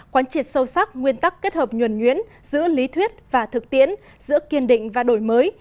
quán triệt sâu sắc nguyên tắc kết hợp nhuẩn nhuyễn giữa lý thuyết và thực tiễn giữa kiên định và đổi mới